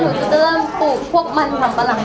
หนูแซ่งคะหนูจะพวกมันฝันปลาหรังมาก